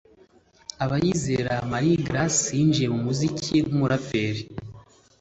Abayizera Marie Grace yinjiye mu muziki nk’umuraperi